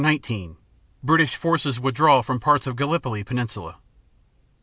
19 British forces withdraw from parts of Gallipoli peninsula.